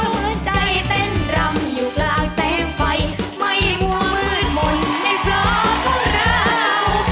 หัวใจเต้นรำอยู่กลางแสงไฟไม่มั่วมืดมนต์ในพระของเรา